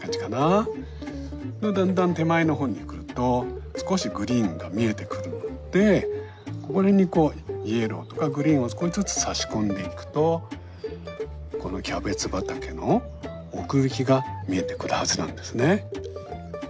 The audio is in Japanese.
だんだん手前のほうに来ると少しグリーンが見えてくるのでここら辺にこうイエローとかグリーンを少しずつさし込んでいくとこのキャベツ畑の奥行きが見えてくるはずなんですね。